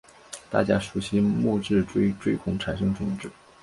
大家熟悉木质锥锥孔产生种子。